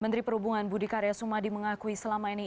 menteri perhubungan budi karya sumadi mengakui selama ini